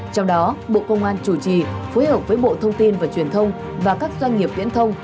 trong đó bộ công an chủ trì phối hợp với bộ thông tin và truyền thông và các doanh nghiệp viễn thông